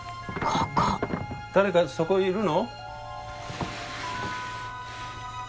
誰かそこいるの？